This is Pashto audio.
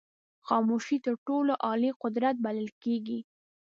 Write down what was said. خاموشي تر ټولو عالي قدرت بلل کېږي.